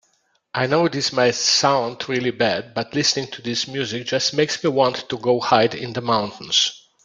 I know this might sound really bad, but listening to this music just makes me want to go hide in the mountains.